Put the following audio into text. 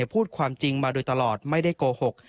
พูดความจริงมาโดยตลอดไม่ได้โกหก